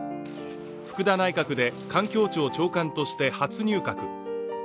福田内閣で環境庁長官として初入閣。